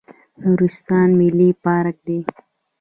نورستان ملي پارک دی